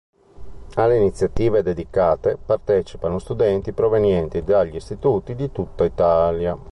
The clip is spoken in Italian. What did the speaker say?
Alle iniziative dedicate partecipano studenti provenienti dagli istituti di tutta Italia.